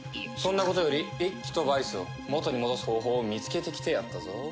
そんなことより一輝とバイスを元に戻す方法を見つけてきてやったぞ。